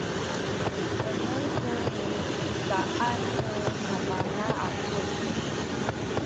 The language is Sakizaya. enem ku mihcaan nu sabana aku